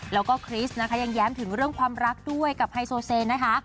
แล้วก็คริสนะคะยังแย้มถึงเรื่องความรักด้วยกับไฮโซเซนนะคะ